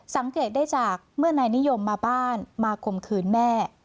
สังเกตได้จากเมื่อนายนิยมมาบ้านมาข่มขืนแม่